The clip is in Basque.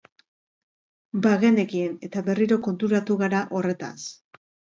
Bagenekien, eta berriro konturatu gara horretaz.